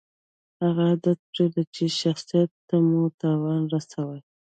هغه عادت پرېږدئ، چي شخصت ته مو تاوان رسوي.